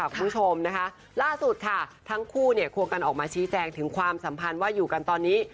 คุณผู้ชมนะคะล่าสุดค่ะทั้งคู่เนี่ยควงกันออกมาชี้แจงถึงความสัมพันธ์ว่าอยู่กันตอนนี้